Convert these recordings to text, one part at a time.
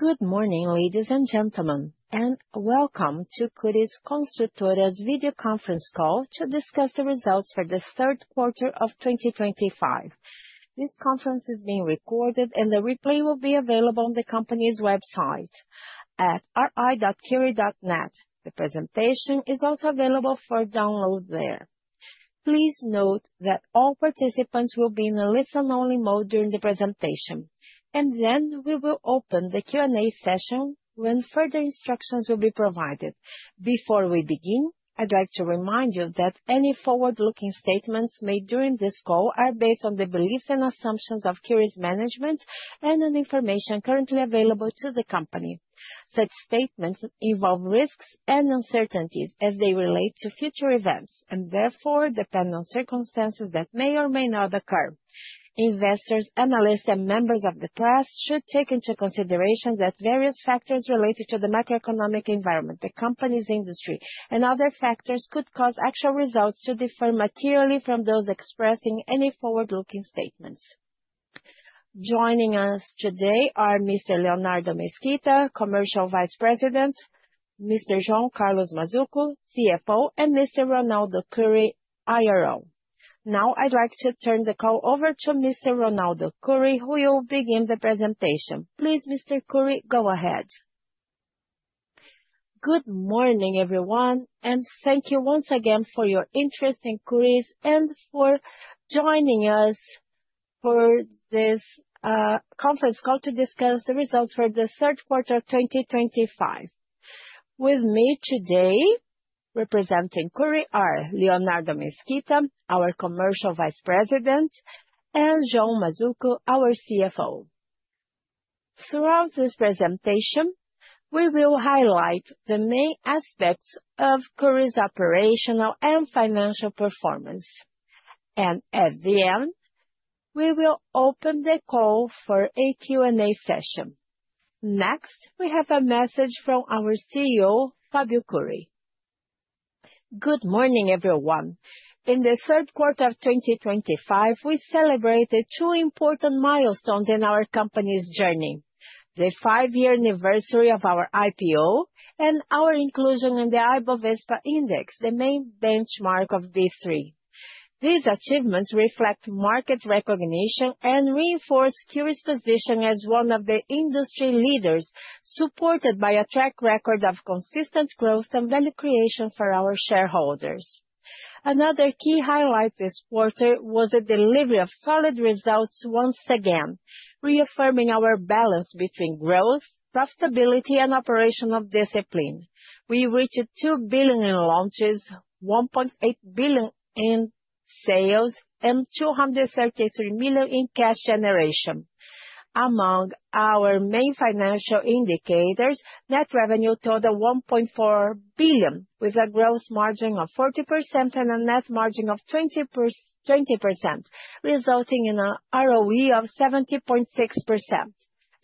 Good morning, ladies and gentlemen, and welcome to Cury Construtora's video conference call to discuss the results for the third quarter of 2025. This conference is being recorded, and the replay will be available on the company's website at ri.cury.net. The presentation is also available for download there. Please note that all participants will be in a listen-only mode during the presentation, and then we will open the Q&A session when further instructions will be provided. Before we begin, I'd like to remind you that any forward-looking statements made during this call are based on the beliefs and assumptions of Cury's management and on information currently available to the company. Such statements involve risks and uncertainties as they relate to future events and therefore depend on circumstances that may or may not occur. Investors, analysts, and members of the press should take into consideration that various factors related to the macroeconomic environment, the company's industry, and other factors could cause actual results to differ materially from those expressed in any forward-looking statements. Joining us today are Mr. Leonardo Mesquita, Commercial Vice President; Mr. João Carlos Mazzuco, CFO; and Mr. Ronaldo Cury, IRO. Now, I'd like to turn the call over to Mr. Ronaldo Cury, who will begin the presentation. Please, Mr. Cury, go ahead. Good morning, everyone, and thank you once again for your interest in Cury and for joining us for this conference call to discuss the results for the third quarter of 2025. With me today representing Cury are Leonardo Mesquita, our Commercial Vice President, and João Mazzuco, our CFO. Throughout this presentation, we will highlight the main aspects of Cury's operational and financial performance, and at the end, we will open the call for a Q&A session. Next, we have a message from our CEO, Fabio Cury. Good morning, everyone. In the third quarter of 2025, we celebrate the two important milestones in our company's journey: the five-year anniversary of our IPO and our inclusion in the IBOVESPA Index, the main benchmark of B3. These achievements reflect market recognition and reinforce Cury's position as one of the industry leaders, supported by a track record of consistent growth and value creation for our shareholders. Another key highlight this quarter was the delivery of solid results once again, reaffirming our balance between growth, profitability, and operational discipline. We reached 2 billion in launches, 1.8 billion in sales, and 233 million in cash generation. Among our main financial indicators, net revenue totaled 1.4 billion, with a gross margin of 40% and a net margin of 20%, resulting in an ROE of 70.6%.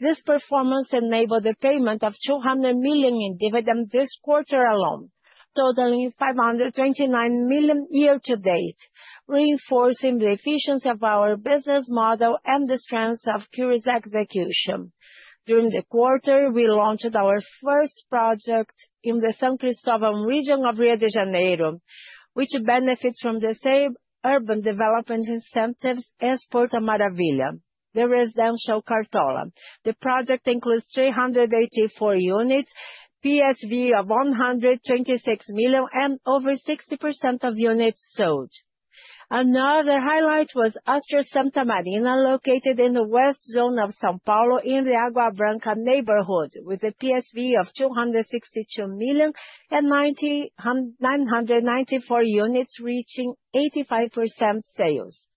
This performance enabled the payment of 200 million in dividend this quarter alone, totaling 529 million year-to-date, reinforcing the efficiency of our business model and the strength of Cury's execution. During the quarter, we launched our first project in the São Cristóvão region of Rio de Janeiro, which benefits from the same urban development incentives as Porta Maravilha, the Residential Cartola. The project includes 384 units, a PSV of 126 million, and over 60% of units sold. Another highlight was Astra Santamarina, located in the west zone of São Paulo, in the Água Branca neighborhood, with a PSV of 262 million and 994 units reaching 85% sales.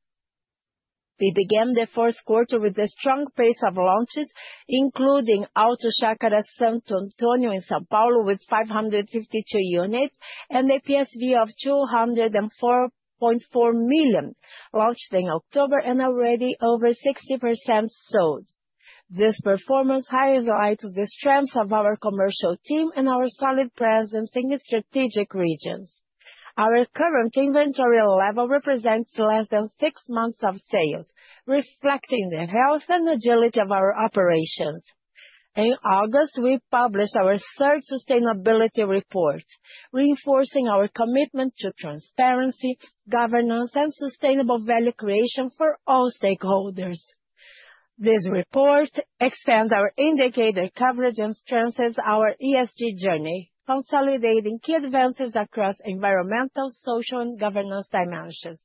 We began the fourth quarter with a strong pace of launches, including Auto Chácara Santo Antônio in São Paulo, with 552 units and a PSV of 204.4 million, launched in October and already over 60% sold. This performance highlights the strength of our commercial team and our solid presence in strategic regions. Our current inventory level represents less than six months of sales, reflecting the health and agility of our operations. In August, we published our third sustainability report, reinforcing our commitment to transparency, governance, and sustainable value creation for all stakeholders. This report expands our indicator coverage and strengthens our ESG journey, consolidating key advances across environmental, social, and governance dimensions.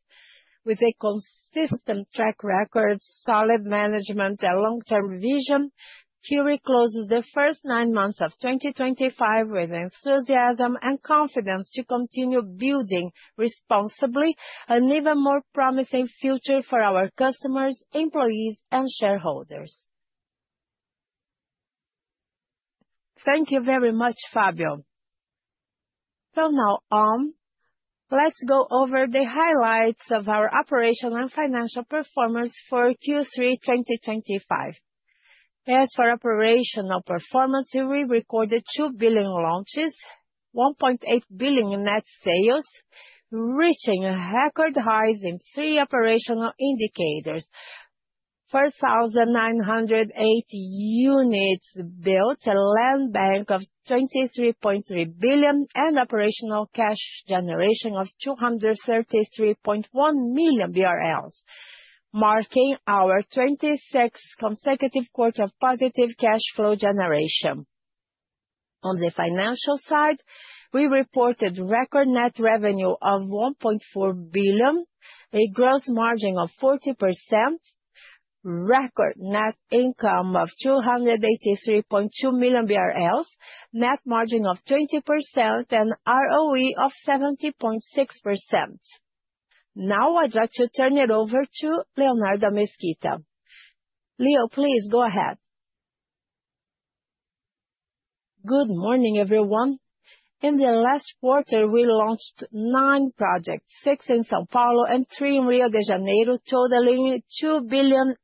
With a consistent track record, solid management, and long-term vision, Cury closes the first nine months of 2025 with enthusiasm and confidence to continue building responsibly an even more promising future for our customers, employees, and shareholders. Thank you very much, Fabio. From now on, let's go over the highlights of our operational and financial performance for Q3 2025. As for operational performance, we recorded 2 billion in launches, 1.8 billion in net sales, reaching record highs in three operational indicators, 4,980 units built, a land bank of 23.3 billion, and operational cash generation of 233.1 million BRL, marking our 26th consecutive quarter of positive cash flow generation. On the financial side, we reported record net revenue of 1.4 billion, a gross margin of 40%, record net income of 283.2 million BRL, net margin of 20%, and ROE of 70.6%. Now, I'd like to turn it over to Leonardo Mesquita. Leo, please go ahead. Good morning, everyone. In the last quarter, we launched nine projects, six in São Paulo and three in Rio de Janeiro, totaling 2 billion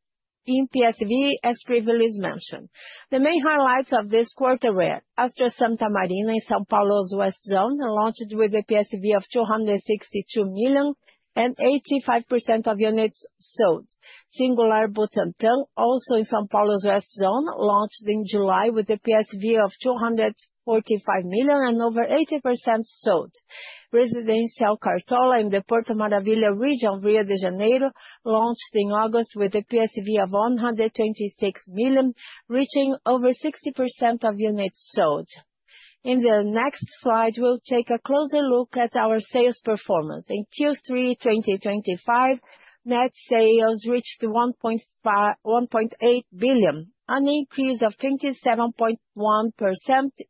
in PSV, as previously mentioned. The main highlights of this quarter were Astra Santamarina in São Paulo's west zone, launched with a PSV of 262 million and 85% of units sold. Singular Butantã, also in São Paulo's west zone, launched in July with a PSV of 245 million and over 80% sold. Residential Cartola in the Porta Maravilha region of Rio de Janeiro launched in August with a PSV of 126 million, reaching over 60% of units sold. In the next slide, we'll take a closer look at our sales performance. In Q3 2025, net sales reached 1.8 billion, an increase of 27.1%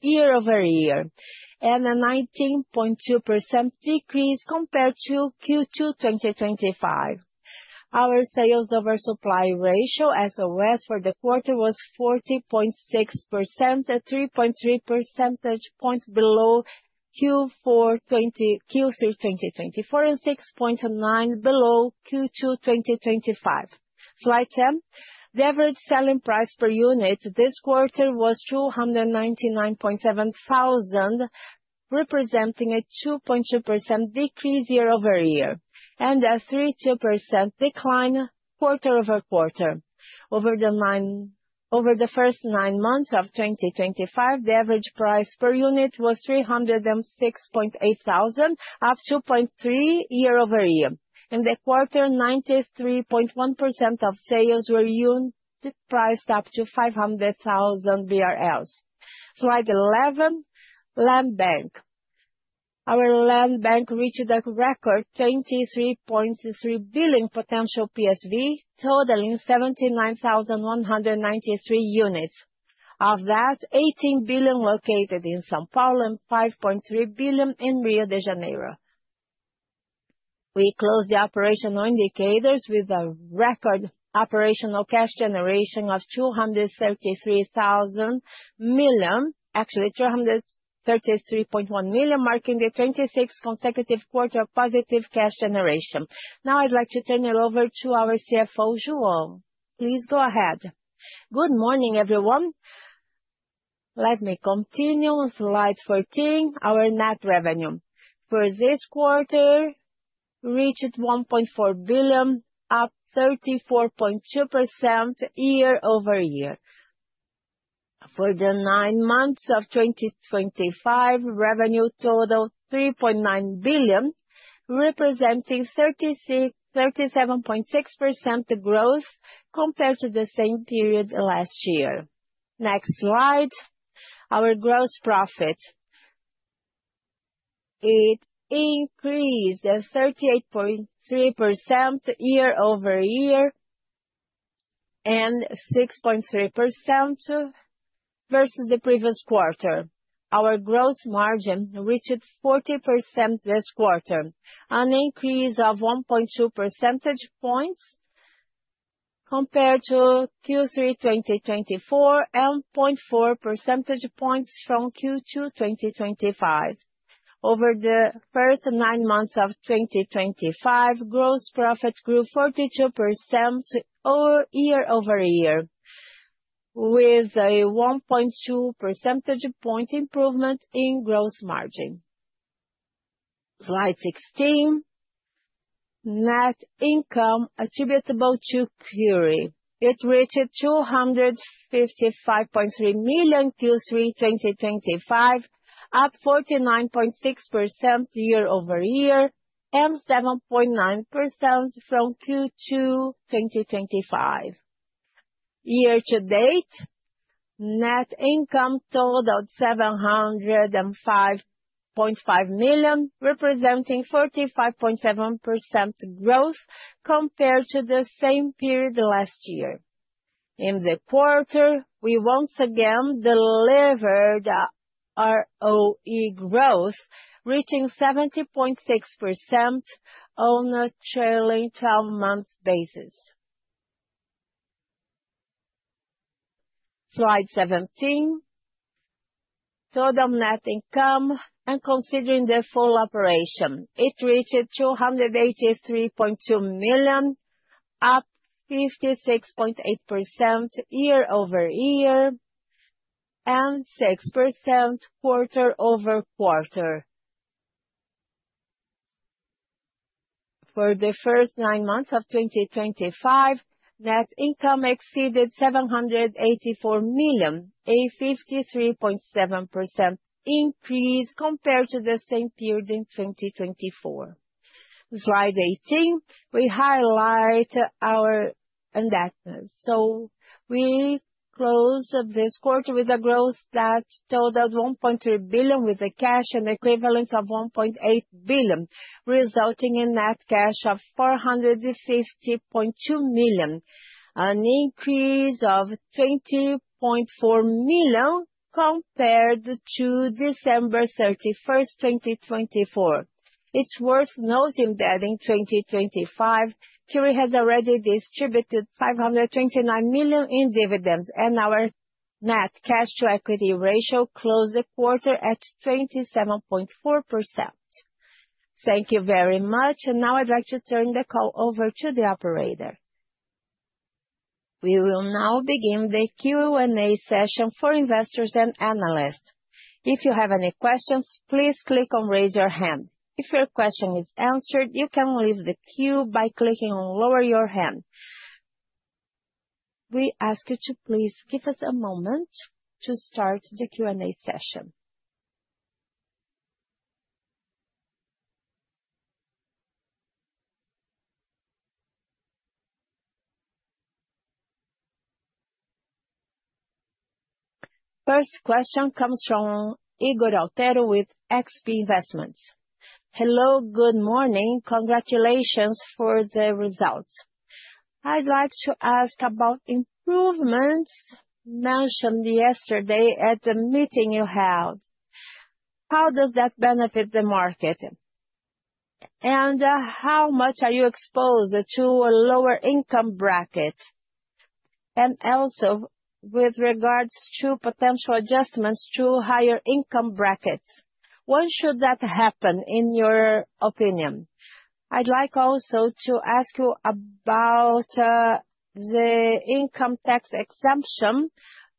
year-over-year, and a 19.2% decrease compared to Q2 2025. Our sales over supply ratio (SOS) for the quarter was 40.6%, a 3.3 percentage point below Q3 2024 and 6.9% below Q2 2025. Slight tip: the average selling price per unit this quarter was 299,700, representing a 2.2% decrease year-over-year and a 32% decline quarter-over-quarter. Over the first nine months of 2025, the average price per unit was 306,800, up 2.3% year-over-year. In the quarter, 93.1% of sales were unit priced up to 500,000 BRL. Slide 11, land bank. Our land bank reached a record 23.3 billion potential PSV, totaling 79,193 units. Of that, 18 billion located in São Paulo and 5.3 billion in Rio de Janeiro. We closed the operational indicators with a record operational cash generation of 233 million, actually 233.1 million, marking the 26th consecutive quarter of positive cash generation. Now, I'd like to turn it over to our CFO, João. Please go ahead. Good morning, everyone. Let me continue with slide 14, our net revenue. For this quarter, we reached BRL 1.4 billion, up 34.2% year-over-year. For the nine months of 2025, revenue totaled BRL 3.9 billion, representing 37.6% growth compared to the same period last year. Next slide, our gross profit. It increased 38.3% year-over-year and 6.3% versus the previous quarter. Our gross margin reached 40% this quarter, an increase of 1.2 percentage points compared to Q3 2024 and 0.4 percentage points from Q2 2025. Over the first nine months of 2025, gross profit grew 42% year-over-year, with a 1.2 percentage point improvement in gross margin. Slide 16, net income attributable to Cury. It reached 255.3 million Q3 2025, up 49.6% year-over-year and 7.9% from Q2 2025. Year-to-date, net income totaled 705.5 million, representing 45.7% growth compared to the same period last year. In the quarter, we once again delivered ROE growth, reaching 70.6% on a trailing 12-month basis. Slide 17, total net income. Considering the full operation, it reached 283.2 million, up 56.8% year-over-year and 6% quarter-over-quarter. For the first nine months of 2025, net income exceeded 784 million, a 53.7% increase compared to the same period in 2024. Slide 18, we highlight our indebtedness. We closed this quarter with a gross debt totaled 1.3 billion, with a cash equivalent of 1.8 billion, resulting in net cash of 450.2 million, an increase of 20.4 million compared to December 31, 2024. It is worth noting that in 2025, Cury has already distributed 529 million in dividends, and our net cash-to-equity ratio closed the quarter at 27.4%. Thank you very much. Now I'd like to turn the call over to the operator. We will now begin the Q&A session for investors and analysts. If you have any questions, please click on "Raise Your Hand." If your question is answered, you can leave the queue by clicking on "Lower Your Hand." We ask you to please give us a moment to start the Q&A session. First question comes from Ygor Altero with XP Investimentos. Hello, good morning. Congratulations for the results. I'd like to ask about improvements mentioned yesterday at the meeting you held. How does that benefit the market? How much are you exposed to a lower income bracket? Also, with regards to potential adjustments to higher income brackets, when should that happen, in your opinion? I'd like also to ask you about the income tax exemption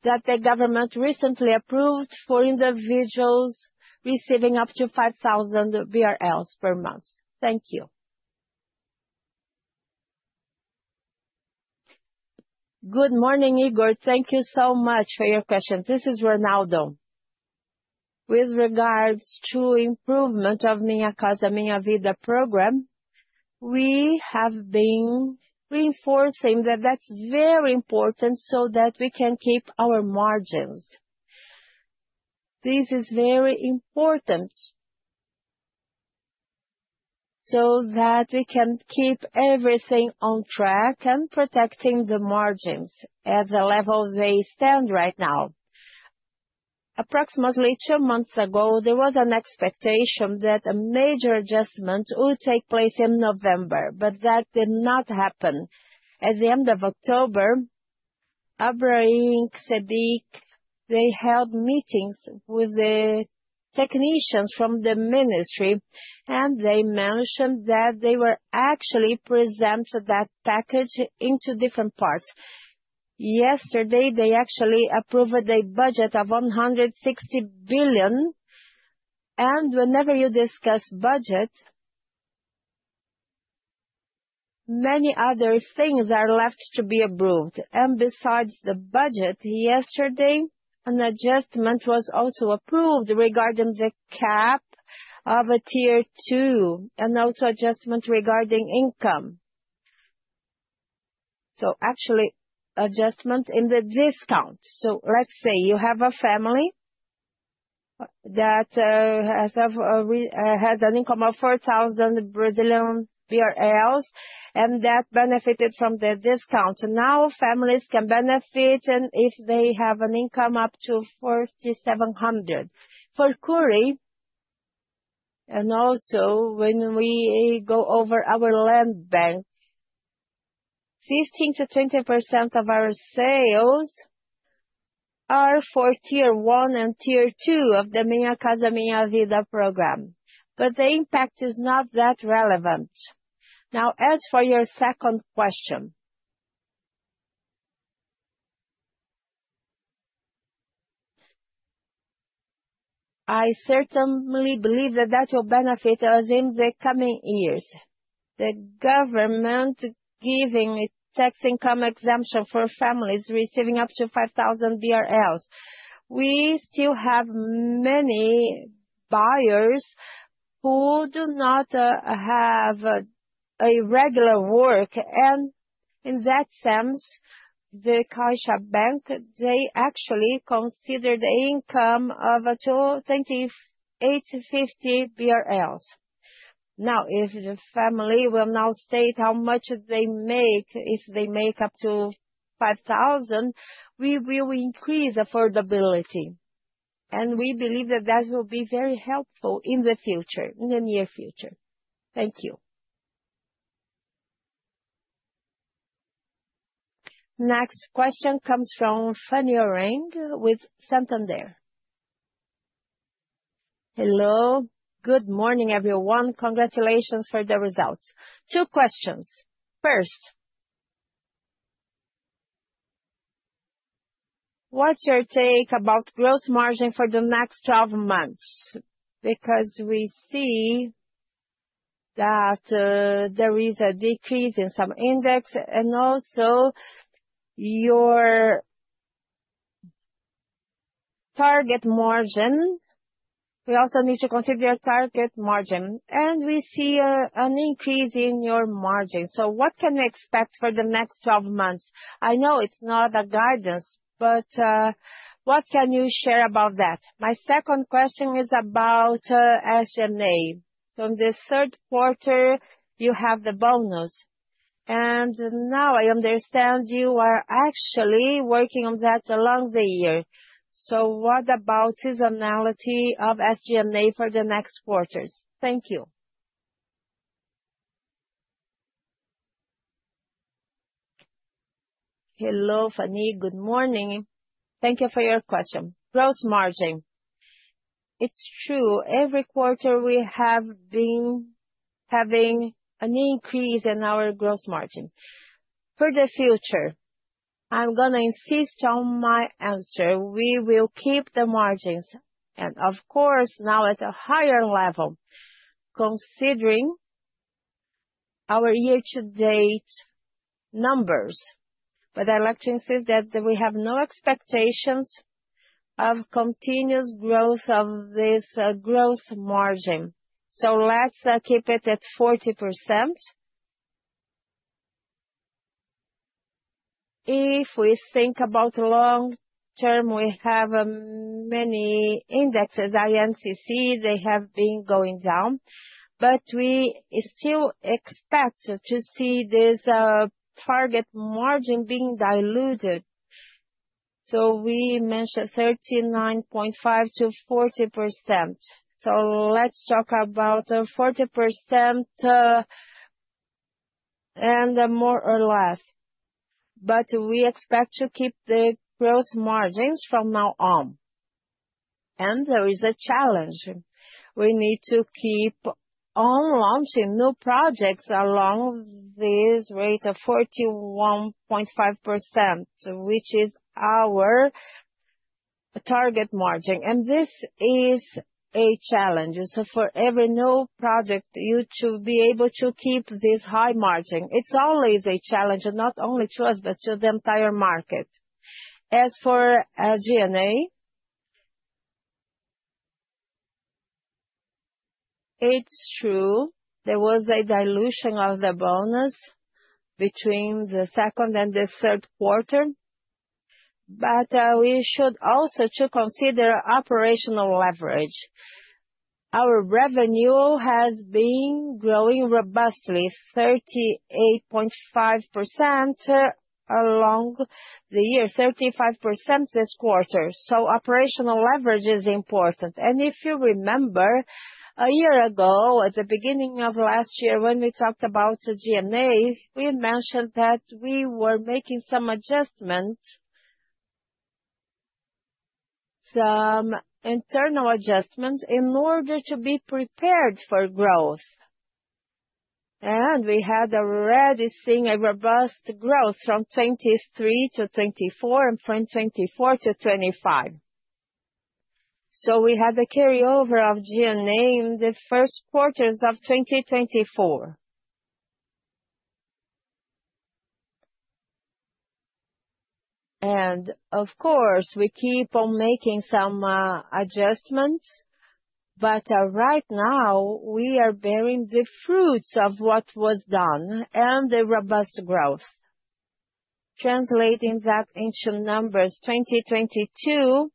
that the government recently approved for individuals receiving up to 5,000 per month. Thank you. Good morning, Ygor. Thank you so much for your question. This is Ronaldo. With regards to the improvement of Minha Casa Minha Vida program, we have been reinforcing that that's very important so that we can keep our margins. This is very important so that we can keep everything on track and protecting the margins at the level they stand right now. Approximately two months ago, there was an expectation that a major adjustment would take place in November, but that did not happen. At the end of October, ABRAINC, SADC, they held meetings with the technicians from the ministry, and they mentioned that they were actually presenting that package into different parts. Yesterday, they actually approved a budget of 160 billion. Whenever you discuss budget, many other things are left to be approved. Besides the budget, yesterday, an adjustment was also approved regarding the cap of a tier two and also an adjustment regarding income. Actually, an adjustment in the discount. Let's say you have a family that has an income of 4,000 BRL and that benefited from the discount. Now, families can benefit if they have an income up to 4,700. For Cury, and also when we go over our land bank, 15%-20% of our sales are for tier one and tier two of the Minha Casa Minha Vida program. The impact is not that relevant. As for your second question, I certainly believe that that will benefit us in the coming years. The government giving a tax income exemption for families receiving up to 5,000 BRL. We still have many buyers who do not have regular work. In that sense, Caixa Econômica Federal, they actually consider the income of BRL 28.50. Now, if the family will now state how much they make, if they make up to 5,000, we will increase affordability. We believe that that will be very helpful in the future, in the near future. Thank you. Next question comes from Fanny Oreng with Santander. Hello, good morning, everyone. Congratulations for the results. Two questions. First, what's your take about gross margin for the next 12 months? Because we see that there is a decrease in some index and also your target margin. We also need to consider your target margin. We see an increase in your margin. What can we expect for the next 12 months? I know it's not a guidance, but what can you share about that? My second question is about SG&A. From the third quarter, you have the bonus. Now I understand you are actually working on that along the year. What about seasonality of SG&A for the next quarters? Thank you. Hello, Fanny. Good morning. Thank you for your question. Gross margin. It's true. Every quarter, we have been having an increase in our gross margin. For the future, I'm going to insist on my answer. We will keep the margins. Of course, now at a higher level, considering our year-to-date numbers. I'd like to insist that we have no expectations of continuous growth of this gross margin. Let's keep it at 40%. If we think about long term, we have many indexes, INCC, they have been going down. We still expect to see this target margin being diluted. We mentioned 39.5%-40%. Let's talk about 40% and more or less. We expect to keep the gross margins from now on. There is a challenge. We need to keep on launching new projects along this rate of 41.5%, which is our target margin. This is a challenge. For every new project, you should be able to keep this high margin. It is always a challenge, not only to us, but to the entire market. As for SG&A, it is true. There was a dilution of the bonus between the second and the third quarter. We should also consider operational leverage. Our revenue has been growing robustly, 38.5% along the year, 35% this quarter. Operational leverage is important. If you remember, a year ago, at the beginning of last year, when we talked about SG&A, we mentioned that we were making some adjustments, some internal adjustments in order to be prepared for growth. We had already seen a robust growth from 2023 to 2024 and from 2024 to 2025. We had the carryover of G&A in the first quarters of 2024. Of course, we keep on making some adjustments. Right now, we are bearing the fruits of what was done and the robust growth. Translating that into numbers, in 2022,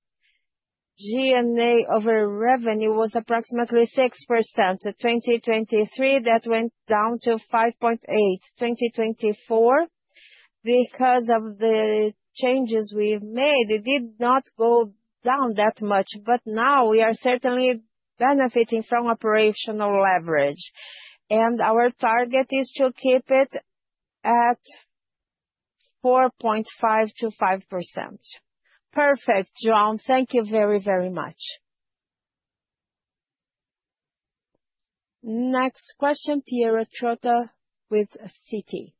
G&A over revenue was approximately 6%. In 2023, that went down to 5.8%. In 2024, because of the changes we have made, it did not go down that much. Now we are certainly benefiting from operational leverage. Our target is to keep it at 4.5%-5%. Perfect, João. Thank you very, very much. Next question, Piero Trotta with Citi.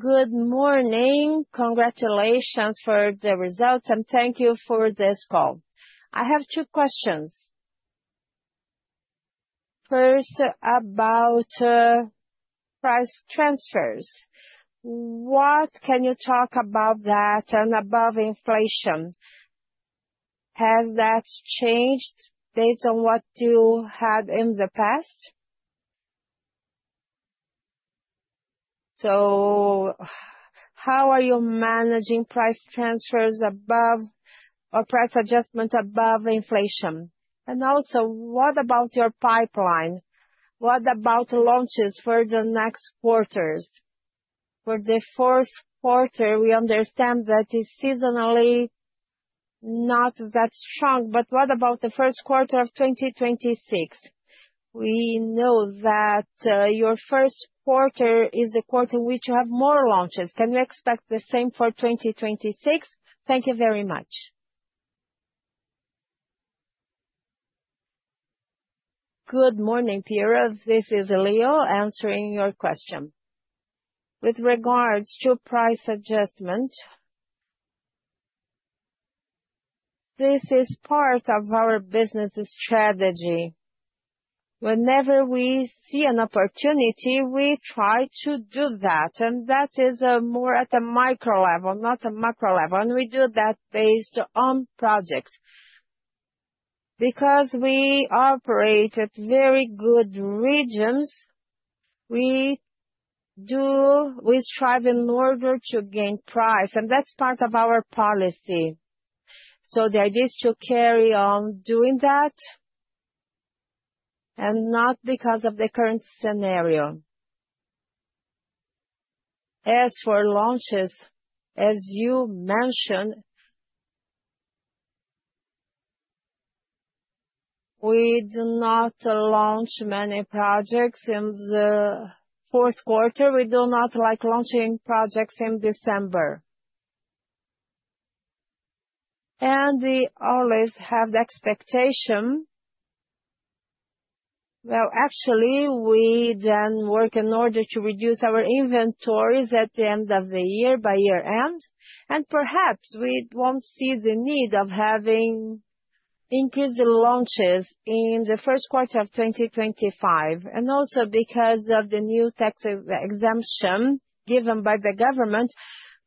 Good morning. Congratulations for the results, and thank you for this call. I have two questions. First, about price transfers. What can you talk about that and above inflation? Has that changed based on what you had in the past? How are you managing price transfers above or price adjustment above inflation? Also, what about your pipeline? What about launches for the next quarters? For the fourth quarter, we understand that it is seasonally not that strong. What about the first quarter of 2026? We know that your first quarter is the quarter in which you have more launches. Can you expect the same for 2026? Thank you very much. Good morning, Piero. This is Leo answering your question. With regards to price adjustment, this is part of our business strategy. Whenever we see an opportunity, we try to do that. That is more at a micro level, not a macro level. We do that based on projects. Because we operate at very good regions, we strive in order to gain price. That is part of our policy. The idea is to carry on doing that and not because of the current scenario. As for launches, as you mentioned, we do not launch many projects in the fourth quarter. We do not like launching projects in December. We always have the expectation. Actually, we then work in order to reduce our inventories at the end of the year by year-end. Perhaps we will not see the need of having increased the launches in the first quarter of 2025. Also, because of the new tax exemption given by the government,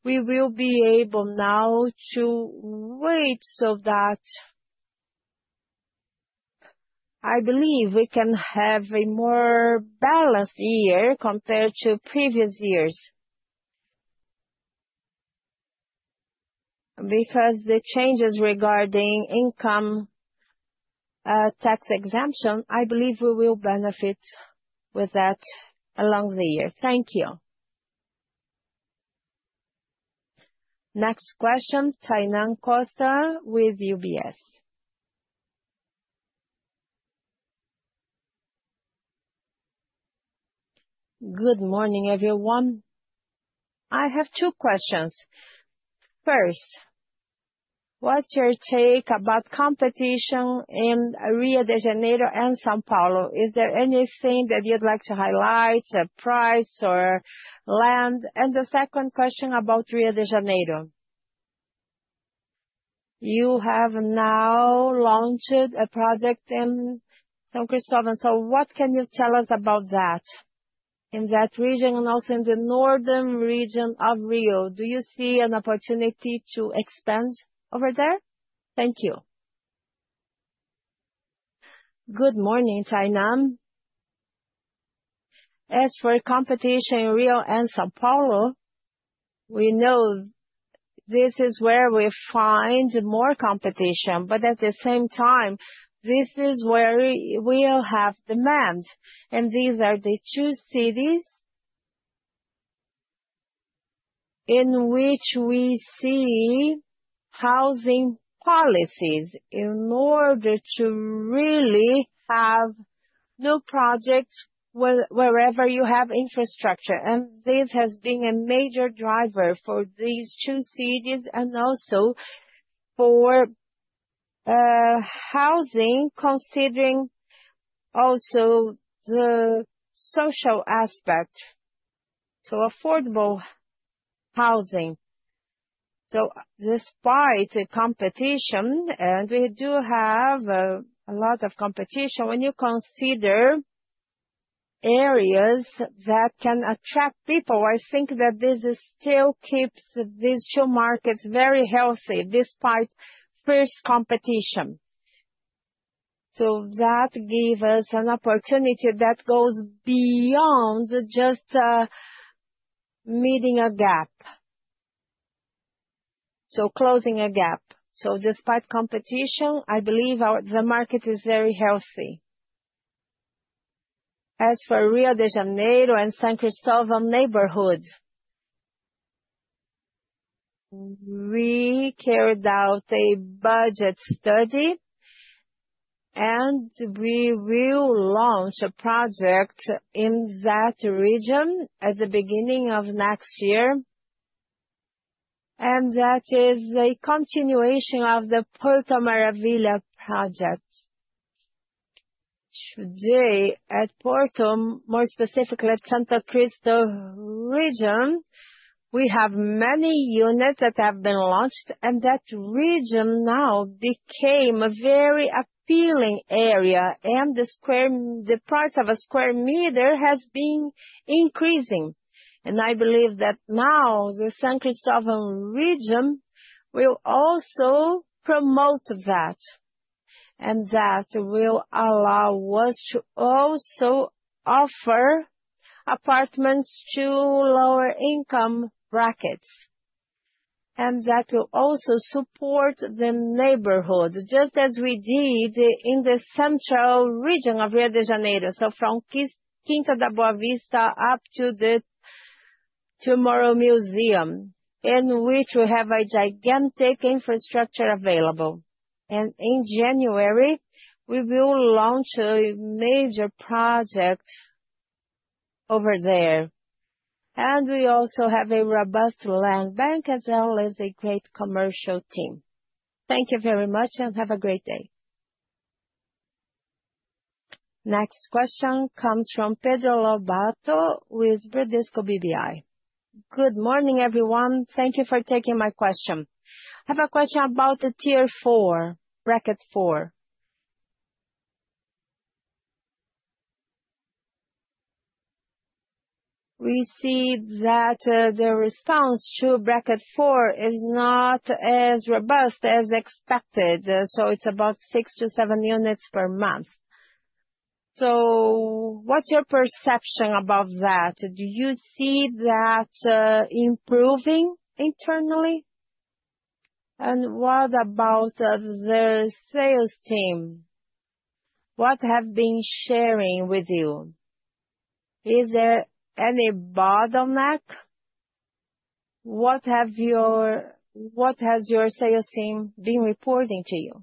we will be able now to wait so that I believe we can have a more balanced year compared to previous years. The changes regarding income tax exemption, I believe we will benefit with that along the year. Thank you. Next question, Tainan Costa with UBS. Good morning, everyone. I have two questions. First, what's your take about competition in Rio de Janeiro and São Paulo? Is there anything that you'd like to highlight, a price or land? The second question about Rio de Janeiro. You have now launched a project in São Cristóvão. What can you tell us about that? In that region and also in the northern region of Rio, do you see an opportunity to expand over there? Thank you. Good morning, Tainan. As for competition in Rio and São Paulo, we know this is where we find more competition. At the same time, this is where we'll have demand. These are the two cities in which we see housing policies in order to really have new projects wherever you have infrastructure. This has been a major driver for these two cities and also for housing, considering also the social aspect, so affordable housing. Despite the competition, and we do have a lot of competition, when you consider areas that can attract people, I think that this still keeps these two markets very healthy despite competition. That gave us an opportunity that goes beyond just meeting a gap, so closing a gap. Despite competition, I believe the market is very healthy. As for Rio de Janeiro and São Cristóvão neighborhood, we carried out a budget study, and we will launch a project in that region at the beginning of next year. That is a continuation of the Porto Maravilha project. Today at Porto, more specifically at Santa Cristo region, we have many units that have been launched, and that region now became a very appealing area. The price of a square meter has been increasing. I believe that now the São Cristóvão region will also promote that, and that will allow us to also offer apartments to lower income brackets. That will also support the neighborhood, just as we did in the central region of Rio de Janeiro, from Quinta da Boa Vista up to the Museu do Amanhã, in which we have a gigantic infrastructure available. In January, we will launch a major project over there. We also have a robust land bank as well as a great commercial team. Thank you very much and have a great day. Next question comes from Pedro Lobato with Bradesco BBI. Good morning, everyone. Thank you for taking my question. I have a question about the tier four, bracket four. We see that the response to bracket four is not as robust as expected, so it's about six to seven units per month. What's your perception about that? Do you see that improving internally? What about the sales team? What have they been sharing with you? Is there any bottleneck? What has your sales team been reporting to you?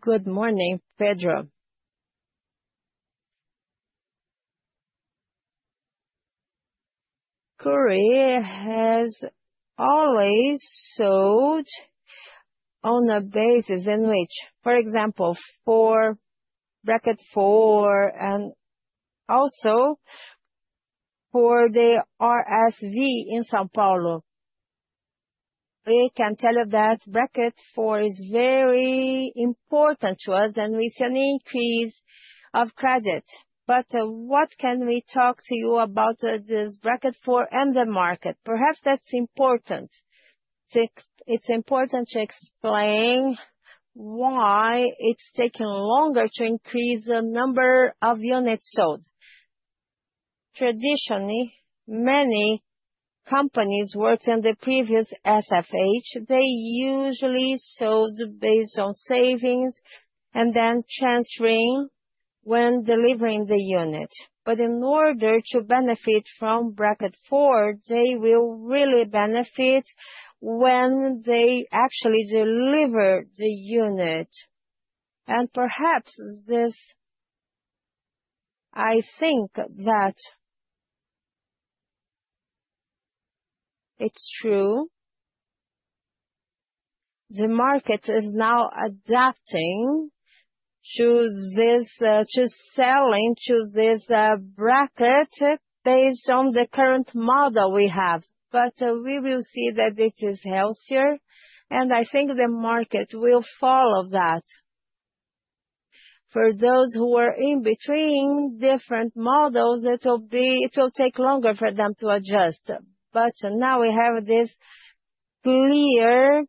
Good morning, Pedro. Cury has always sold on a basis in which, for example, for bracket four and also for the RSV in São Paulo. We can tell you that bracket four is very important to us, and we see an increase of credit. What can we talk to you about this bracket four and the market? Perhaps that's important. It's important to explain why it's taken longer to increase the number of units sold. Traditionally, many companies worked in the previous SFH. They usually sold based on savings and then transferring when delivering the unit. In order to benefit from bracket four, they will really benefit when they actually deliver the unit. Perhaps this, I think that it's true. The market is now adapting to this, to selling to this bracket based on the current model we have. We will see that it is healthier, and I think the market will follow that. For those who are in between different models, it will take longer for them to adjust. Now we have this clear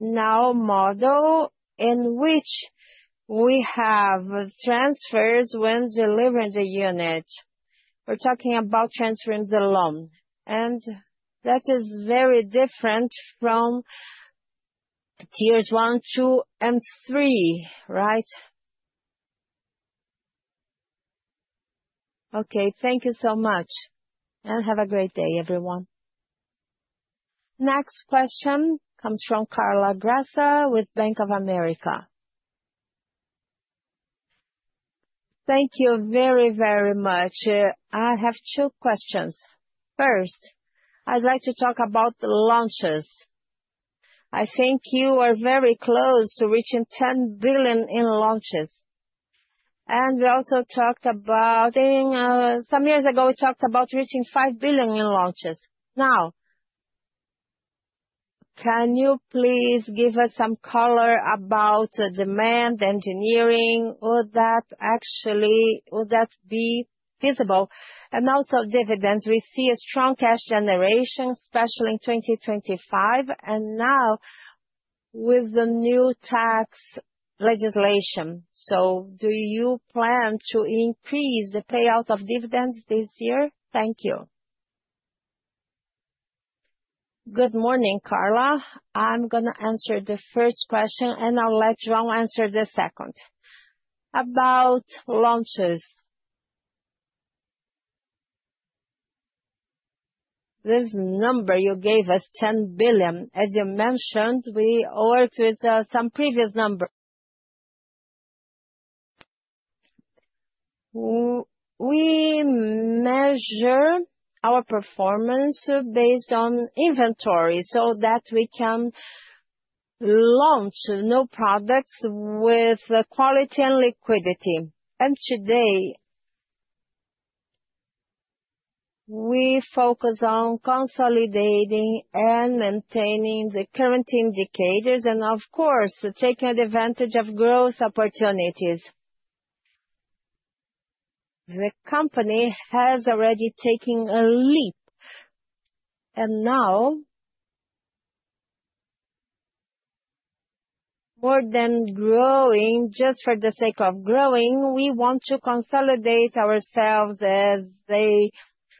model in which we have transfers when delivering the unit. We are talking about transferring the loan. That is very different from tiers one, two, and three, right? Thank you so much. Have a great day, everyone. Next question comes from Carla Graça with Bank of America. Thank you very, very much. I have two questions. First, I'd like to talk about the launches. I think you are very close to reaching 10 billion in launches. We also talked about some years ago, we talked about reaching 5 billion in launches. Now, can you please give us some color about demand engineering? Would that actually be feasible? Also, dividends, we see a strong cash generation, especially in 2025, and now with the new tax legislation. Do you plan to increase the payout of dividends this year? Thank you. Good morning, Carla. I'm going to answer the first question, and I'll let João answer the second. About launches, this number you gave us, 10 billion, as you mentioned, we worked with some previous numbers. We measure our performance based on inventory so that we can launch new products with quality and liquidity. Today, we focus on consolidating and maintaining the current indicators and, of course, taking advantage of growth opportunities. The company has already taken a leap, and now, more than growing just for the sake of growing, we want to consolidate ourselves as a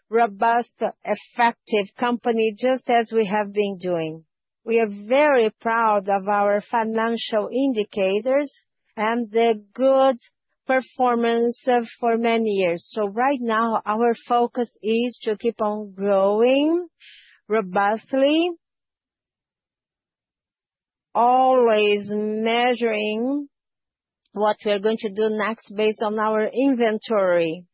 robust, effective company, just as we have been doing. We are very proud of our financial indicators and the good performance for many years. Right now, our focus is to keep on growing robustly, always measuring what we're going to do next based on our inventory,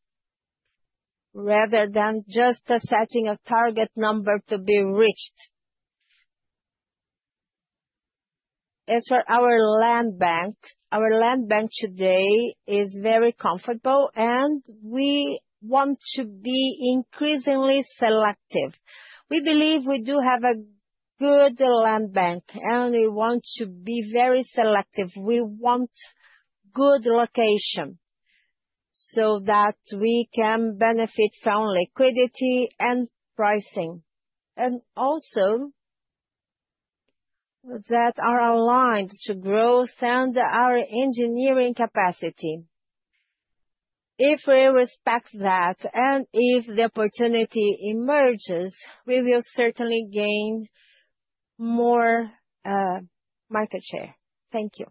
rather than just setting a target number to be reached. As for our land bank, our land bank today is very comfortable, and we want to be increasingly selective. We believe we do have a good land bank, and we want to be very selective. We want good location so that we can benefit from liquidity and pricing, and also that are aligned to growth and our engineering capacity. If we respect that and if the opportunity emerges, we will certainly gain more market share. Thank you.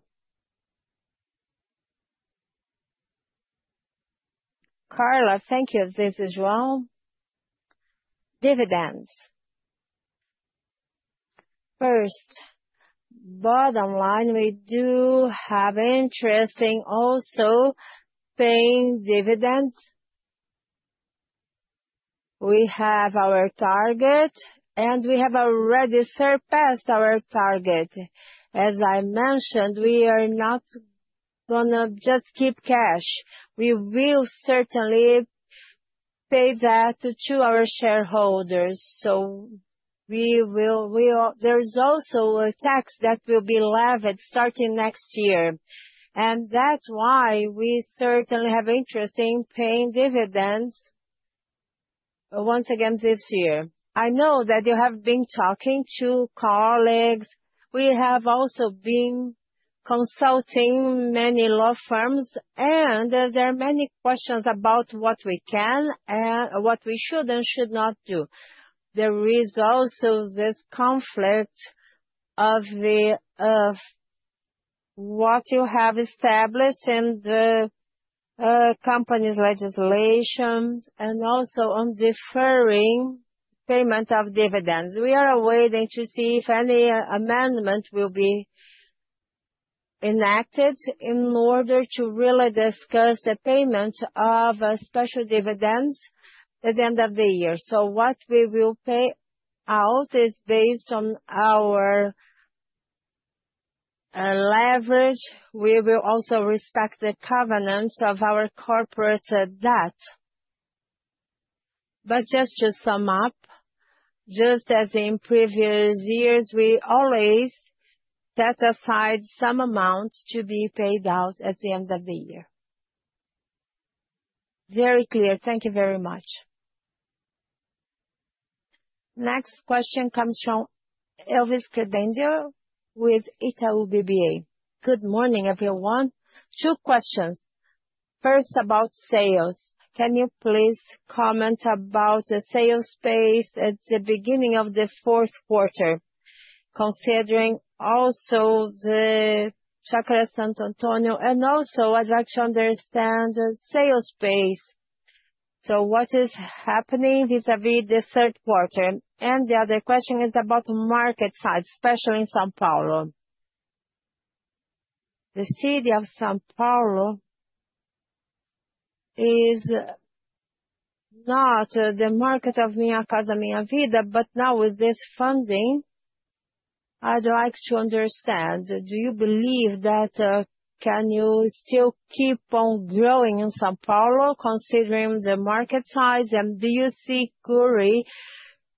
Carla, thank you. This is João. Dividends. First, bottom line, we do have interesting also paying dividends. We have our target, and we have already surpassed our target. As I mentioned, we are not going to just keep cash. We will certainly pay that to our shareholders. There is also a tax that will be levied starting next year. That is why we certainly have interest in paying dividends once again this year. I know that you have been talking to colleagues. We have also been consulting many law firms, and there are many questions about what we can and what we should and should not do. There is also this conflict of what you have established and the company's legislations and also on deferring payment of dividends. We are waiting to see if any amendment will be enacted in order to really discuss the payment of special dividends at the end of the year. What we will pay out is based on our leverage. We will also respect the covenants of our corporate debt. Just to sum up, just as in previous years, we always set aside some amount to be paid out at the end of the year. Very clear. Thank you very much. Next question comes from Elvis Credendio with Itaú BBA. Good morning, everyone. Two questions. First, about sales. Can you please comment about the sales pace at the beginning of the fourth quarter, considering also the Chácara Santo Antônio? I would also like to understand the sales pace. What is happening vis-à-vis the third quarter? The other question is about market size, especially in São Paulo. The city of São Paulo is not the market of Minha Casa Minha Vida, but now with this funding, I'd like to understand, do you believe that you can still keep on growing in São Paulo considering the market size? Do you see Cury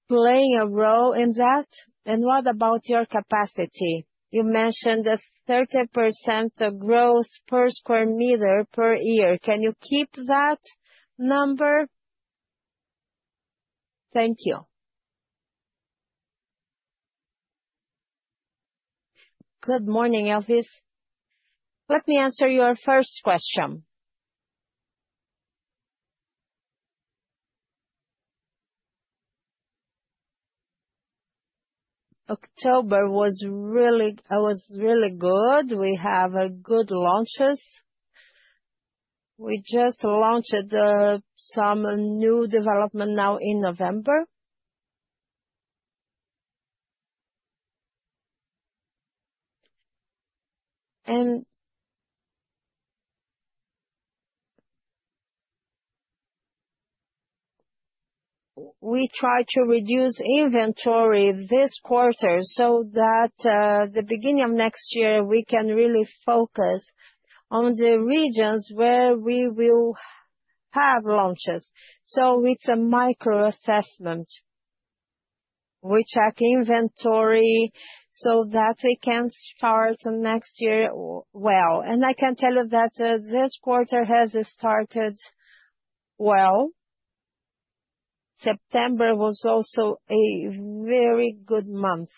playing a role in that? What about your capacity? You mentioned a 30% growth per square meter per year. Can you keep that number? Thank you. Good morning, Elvis. Let me answer your first question. October was really good. We have good launches. We just launched some new development now in November. We tried to reduce inventory this quarter so that at the beginning of next year, we can really focus on the regions where we will have launches. It is a micro assessment. We check inventory so that we can start next year well. I can tell you that this quarter has started well. September was also a very good month.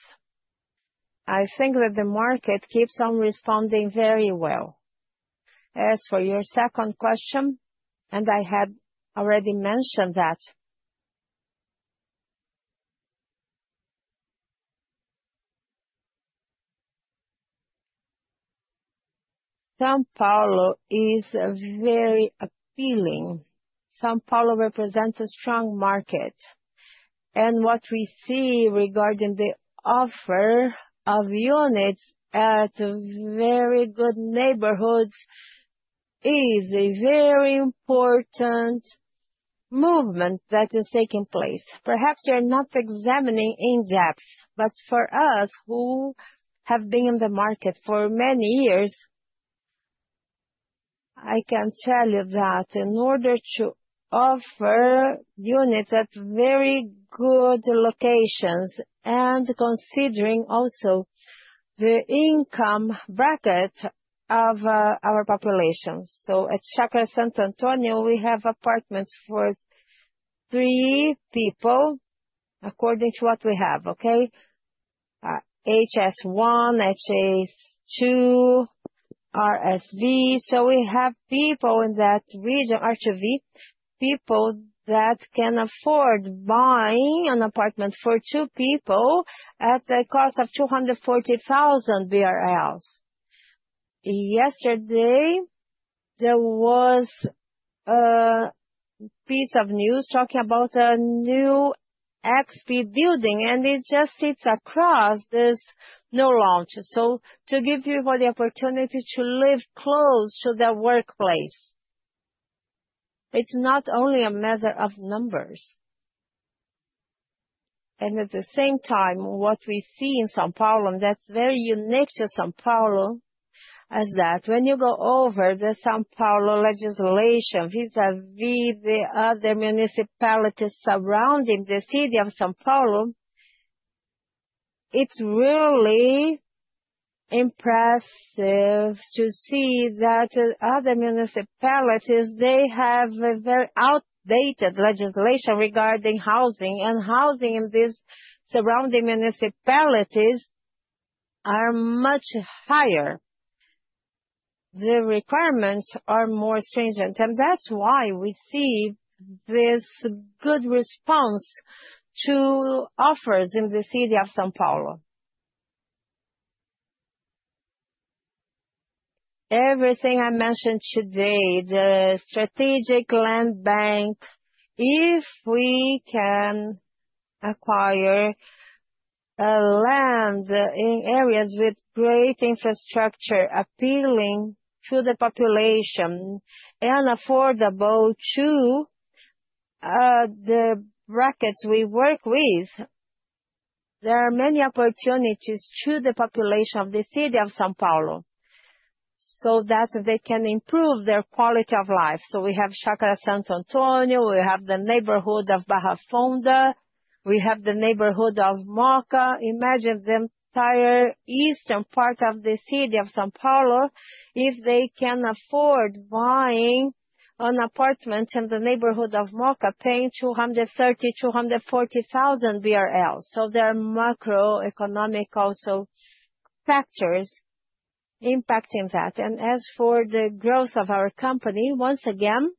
I think that the market keeps on responding very well. As for your second question, and I had already mentioned that, São Paulo is very appealing. São Paulo represents a strong market. What we see regarding the offer of units at very good neighborhoods is a very important movement that is taking place. Perhaps you're not examining in depth, but for us who have been in the market for many years, I can tell you that in order to offer units at very good locations and considering also the income bracket of our population. At Chácara Santo Antônio, we have apartments for three people according to what we have, okay? HS1, HS2, RSV. We have people in that region, R2V, people that can afford buying an apartment for two people at the cost of 240,000 BRL. Yesterday, there was a piece of news talking about a new XP building, and it just sits across this new launch. To give you the opportunity to live close to the workplace, it's not only a matter of numbers. At the same time, what we see in São Paulo that's very unique to São Paulo is that when you go over the São Paulo legislation, vis-à-vis the other municipalities surrounding the city of São Paulo, it's really impressive to see that other municipalities have a very outdated legislation regarding housing, and housing in these surrounding municipalities is much higher. The requirements are more stringent. That's why we see this good response to offers in the city of São Paulo. Everything I mentioned today, the strategic land bank, if we can acquire land in areas with great infrastructure, appealing to the population, and affordable to the brackets we work with, there are many opportunities to the population of the city of São Paulo so that they can improve their quality of life. We have Chácara Santo Antônio, we have the neighborhood of Barra Funda, we have the neighborhood of Mooca. Imagine the entire eastern part of the city of São Paulo if they can afford buying an apartment in the neighborhood of Mooca, paying 230,000, 240,000 BRL. There are macroeconomic also factors impacting that. As for the growth of our company, once again,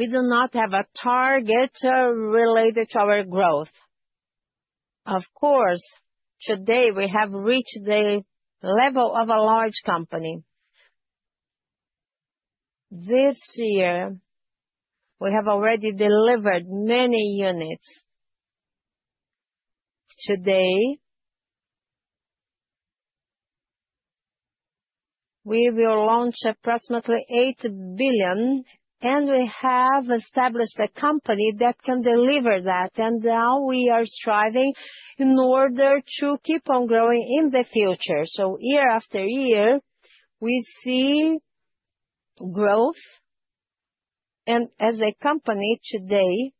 we do not have a target related to our growth. Of course, today we have reached the level of a large company. This year, we have already delivered many units. Today, we will launch approximately 8 billion, and we have established a company that can deliver that. We are striving in order to keep on growing in the future. Year-after-year, we see growth. As a company today,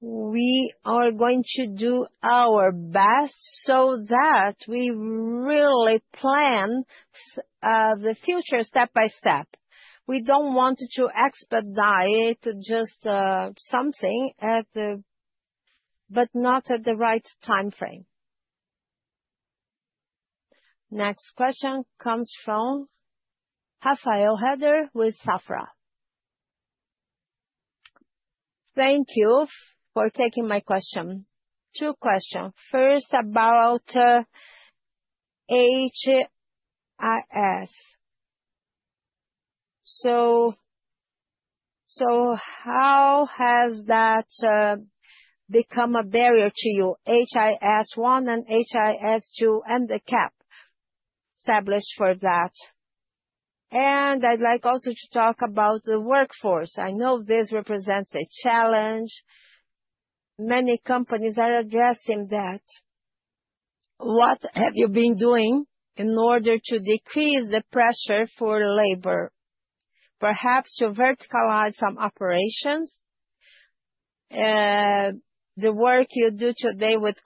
we are going to do our best so that we really plan the future step by step. We do not want to expedite just something at the, but not at the right time frame. Next question comes from Rafael Heather with Safra. Thank you for taking my question. Two questions. First, about HIS. How has that become a barrier to you? HIS1 and HIS2 and the cap established for that. I would also like to talk about the workforce. I know this represents a challenge. Many companies are addressing that. What have you been doing in order to decrease the pressure for labor? Perhaps to verticalize some operations, the work you do today with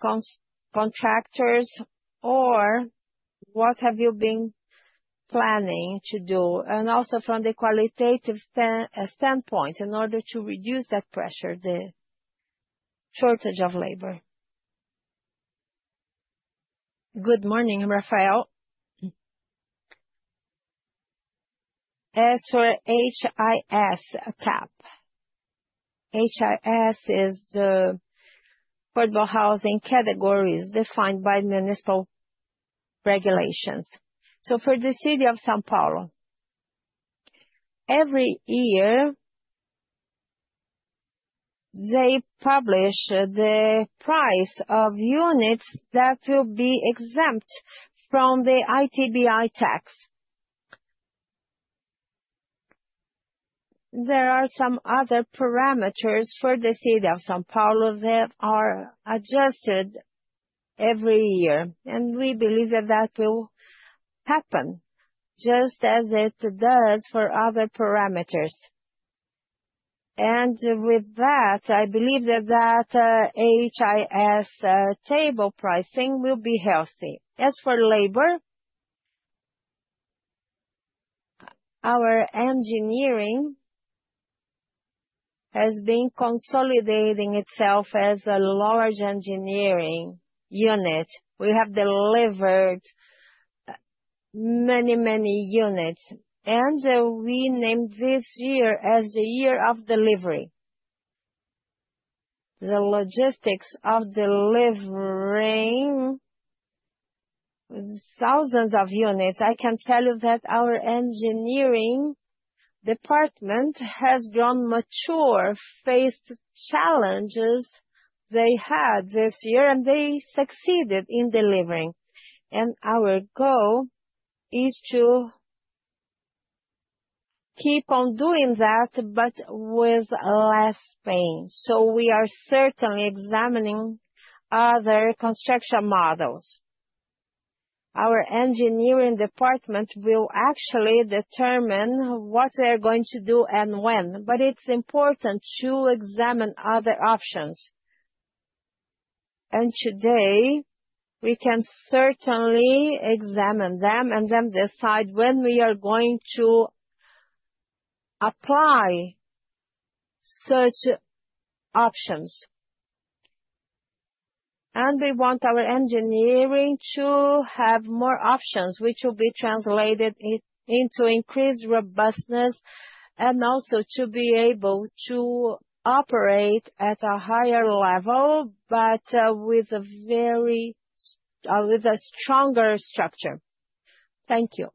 contractors, or what have you been planning to do? Also from the qualitative standpoint in order to reduce that pressure, the shortage of labor. Good morning, Rafael. As for HIS cap, HIS is the affordable housing categories defined by municipal regulations. For the city of São Paulo, every year, they publish the price of units that will be exempt from the ITBI tax. There are some other parameters for the city of São Paulo that are adjusted every year, and we believe that will happen just as it does for other parameters. With that, I believe that HIS table pricing will be healthy. As for labor, our engineering has been consolidating itself as a large engineering unit. We have delivered many, many units, and we named this year as the year of delivery. The logistics of delivering thousands of units. I can tell you that our engineering department has grown mature, faced challenges they had this year, and they succeeded in delivering. Our goal is to keep on doing that, but with less pain. We are certainly examining other construction models. Our engineering department will actually determine what they're going to do and when, but it's important to examine other options. Today, we can certainly examine them and then decide when we are going to apply such options. We want our engineering to have more options, which will be translated into increased robustness and also to be able to operate at a higher level, but with a very stronger structure. Thank you.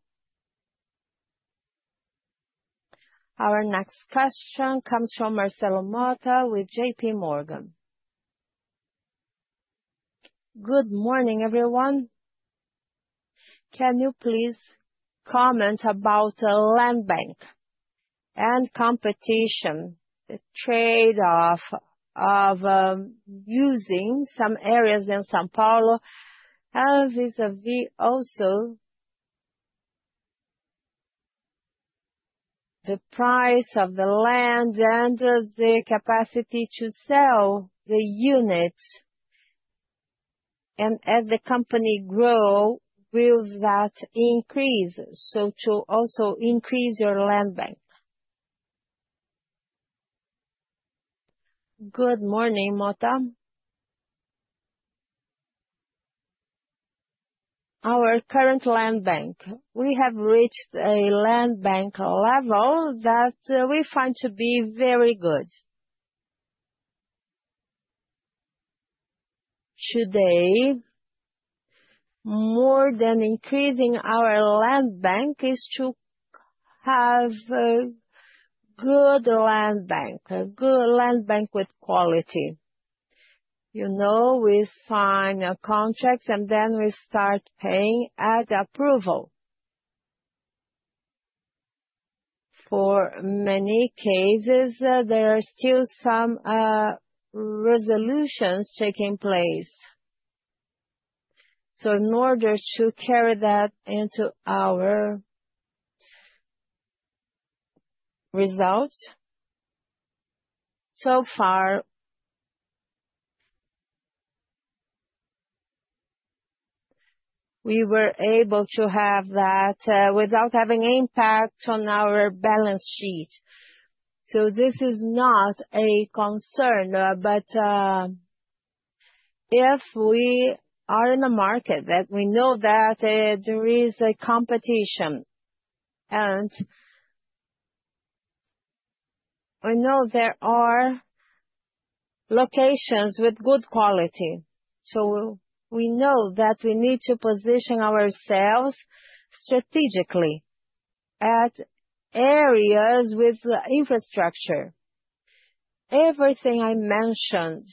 Our next question comes from Marcelo Motta with JPMorgan. Good morning, everyone. Can you please comment about the land bank and competition, the trade-off of using some areas in São Paulo and vis-à-vis also the price of the land and the capacity to sell the unit? As the company grows, will that increase? To also increase your land bank. Good morning, Mota. Our current land bank, we have reached a land bank level that we find to be very good. Today, more than increasing our land bank is to have a good land bank, a good land bank with quality. You know, we sign a contract and then we start paying at approval. For many cases, there are still some resolutions taking place. In order to carry that into our results, so far, we were able to have that without having impact on our balance sheet. This is not a concern, but if we are in a market that we know that there is a competition and we know there are locations with good quality, you know, we need to position ourselves strategically at areas with infrastructure. Everything I mentioned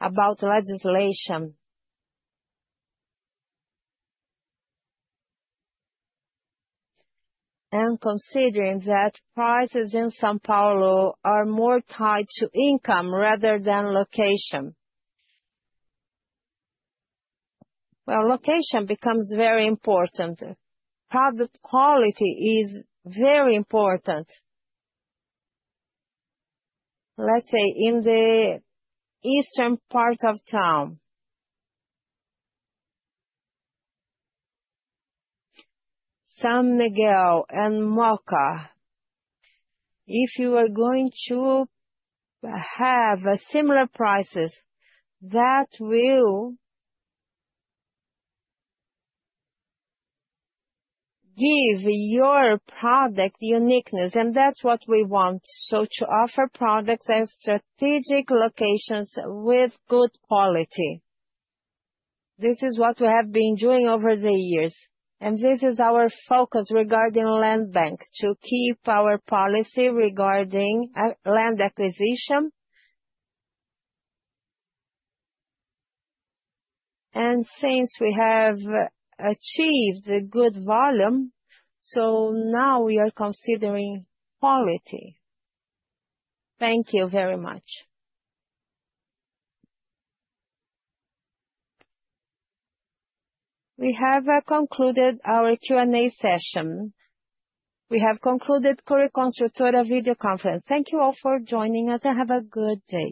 about legislation and considering that prices in São Paulo are more tied to income rather than location. Location becomes very important. Product quality is very important. Let's say in the eastern part of town, São Miguel and Mooca, if you are going to have similar prices, that will give your product uniqueness, and that's what we want. To offer products at strategic locations with good quality, this is what we have been doing over the years, and this is our focus regarding land bank to keep our policy regarding land acquisition. Since we have achieved a good volume, now we are considering quality. Thank you very much. We have concluded our Q&A session. We have concluded Cury Construtora e Incorporadora video conference. Thank you all for joining us and have a good day.